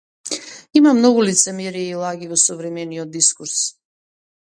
Има многу лицемерие и лаги во современиот дискурс.